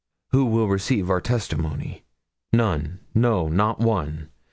Who will receive our testimony? None no, not one.